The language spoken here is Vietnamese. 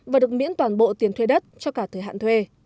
và được miễn toàn bộ tiền thuê đất cho cả thời hạn thuê